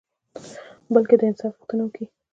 بلکي د انصاف غوښته کوي